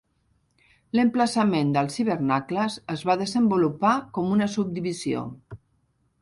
L'emplaçament dels hivernacles es va desenvolupar com una subdivisió.